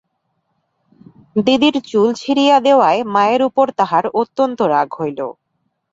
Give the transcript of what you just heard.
দিদির চুল ছিড়িয়া দেওয়ায় মায়ের উপর তাহার অত্যন্ত রাগ হইল।